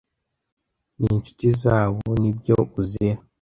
n'inshuti zawo n'ibyo uzira